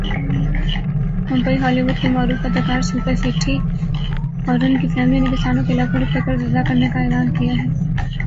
Mumbai Bollywood کی معروف اداکارہ شلپا شیٹھی اور اُن کی فیملی نے کسانوں کے لاکھوں روپے قرض ادا کرنے کا اعلان کیا ہے